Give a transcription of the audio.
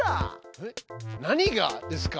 えっ何がですか？